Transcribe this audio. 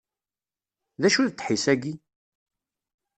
D acu d ddḥis-ayi?